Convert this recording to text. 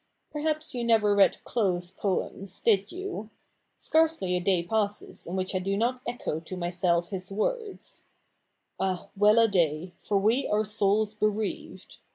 Perhaps you never read dough's Poems, did you ? Scarcely a day passes in which I do not echo to myself his words :— Ah well a day, for we are souls bereaved